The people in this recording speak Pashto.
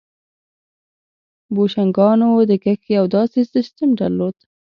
بوشنګانو د کښت یو داسې سیستم درلود.